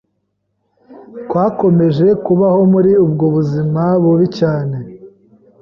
twakomeje kubaho muri ubwo buzima bubi cyane